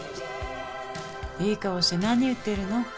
いい顔して何言ってるの。